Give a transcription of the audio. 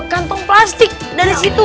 kantong plastik dari situ